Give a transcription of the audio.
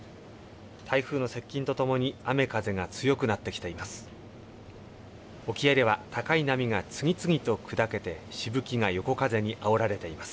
台風の接近とともに雨風が強くなってきています。